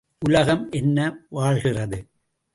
உலகம் என்ன வாழ்கிறது?